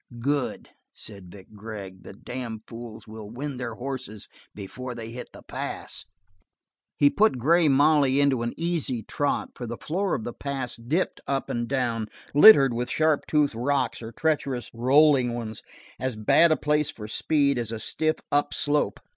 "Good," said Vic Gregg. "The damn fools will wind their horses before they hit the pass." He put Grey Molly into an easy trot, for the floor of the pass dipped up and down, littered with sharp toothed rocks or treacherous, rolling ones, as bad a place for speed as a stiff upslope.